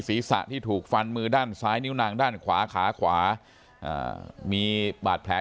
ศีรษะที่ถูกฟันมือด้านซ้ายนิ้วนางด้านขวาขาขวามีบาดแผล